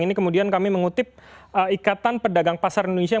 ini kemudian kami mengutip ikatan pedagang pasar indonesia